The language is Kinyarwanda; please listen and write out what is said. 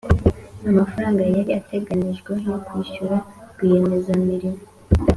amafaranga yari ategenijwe yo kwishyura rwiyemezamirimo